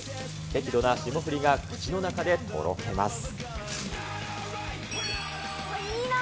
適度な霜降りが口の中でとろけます。